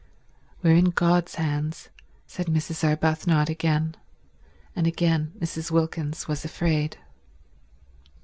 "We're in God's hands," said Mrs. Arbuthnot again; and again Mrs. Wilkins was afraid.